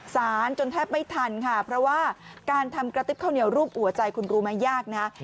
สารจนแทบไม่ทันค่ะเพราะว่าการทำกระติบข้าวเหนียวรูปหัวใจคุณรู้ไหมยากนะ